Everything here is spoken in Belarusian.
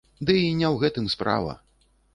Ды і не ў гэтым справа.